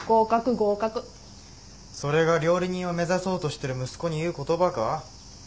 それが料理人を目指そうとしてる息子に言う言葉か？